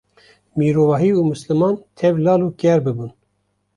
mirovahî û misliman tev lal û ker bibûn